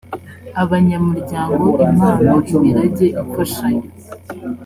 abanyamuryango impano imirage imfashanyo